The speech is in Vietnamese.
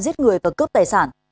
giết người và cướp tài sản